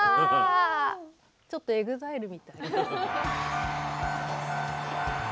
ちょっとＥＸＩＬＥみたい。